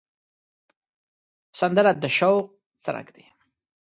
سندره د شوق څرک دی